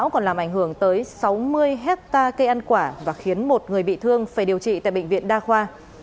còn làm ảnh hưởng tới sáu mươi hectare cây ăn quả và khiến một người bị thương phải điều trị tại bệnh viện đa khoa